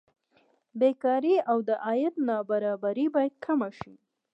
بېکاري او د عاید نابرابري باید کمه شي.